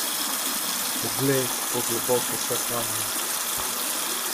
Poglej, kako globok je ta kanjon!